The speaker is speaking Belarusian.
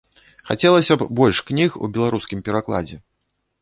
Хацелася б больш кніг у беларускім перакладзе.